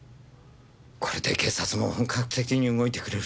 これで警察も本格的に動いてくれる。